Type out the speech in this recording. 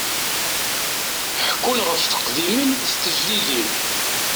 Ḥekkun ɣef teqdimin d tejdidin.